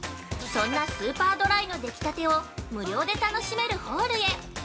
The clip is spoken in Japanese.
◆そんなスーパードライのできたてを無料で楽しめるホールへ。